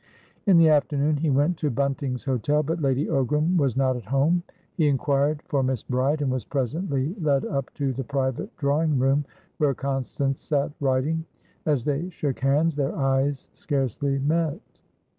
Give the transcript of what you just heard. In the afternoon he went to Bunting's Hotel, but Lady Ogram was not at home. He inquired for Miss Bride, and was presently led up to the private drawing room, where Constance sat writing. As they shook hands, their eyes scarcely met.